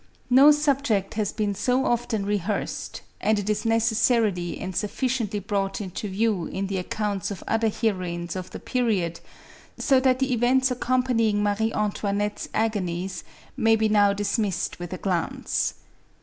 No subject has been so often re hearsed ; and it is necessarily and sufficiently brought into view in the accounts of other heroines of the pe riod, so that the events accompanying Marie Antoi nette's agonies may be now dismissed with a glance.